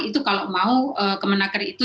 itu kalau mau ke menakeri itu